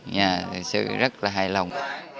nghe người sư rất là hài lòng